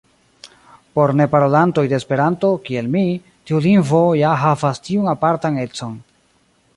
Por neparolantoj de Esperanto, kiel mi, tiu lingvo ja havas tiun apartan econ.